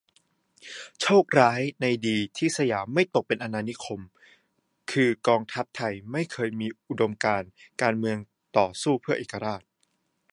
โชคร้ายในดีที่สยามไม่ตกเป็นอาณานิคม คือกองทัพไทยไม่เคยมีอุดมการณ์การเมืองต่อสู้เพื่อเอกราช